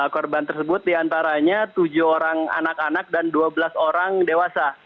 korban tersebut diantaranya tujuh orang anak anak dan dua belas orang dewasa